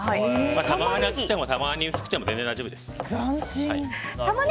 たまに厚くても薄くても全然大丈夫です。